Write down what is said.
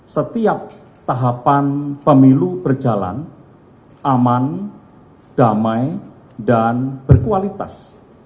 setiap tahapan pemilu berjalan aman damai dan berkualitas